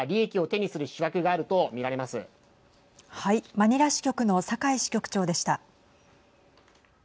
マニラ支局の酒井支局長でした。